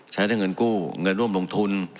ใช้ทั้งเงินกู้เงินร่วมลงทุน